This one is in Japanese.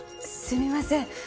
すみません。